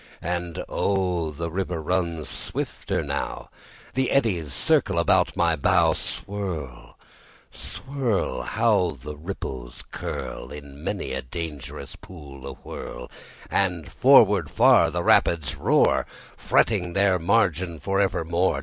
And oh, the river runs swifter now; The eddies circle about my bow. Swirl, swirl! How the ripples curl In many a dangerous pool awhirl! And forward far the rapids roar, Fretting their margin for evermore.